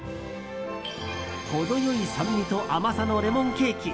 程良い酸味と甘さのレモンケーキ。